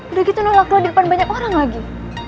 udah gitu nolak loh di depan banyak orang lagi